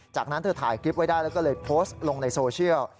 จากนั้นเธอถ่ายคลิปไว้ได้แล้วก็เลยโพสต์ลงในโซเชียล